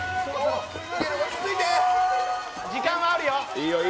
時間はあるよ。